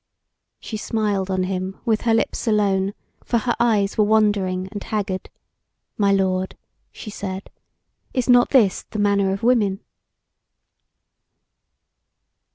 She smiled on him with her lips alone, for her eyes were wandering and haggard. "My lord," she said, "is not this the manner of women?"